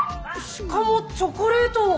しかもチョコレートを！